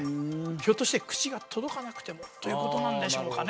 ひょっとして口が届かなくてもということなんでしょうかね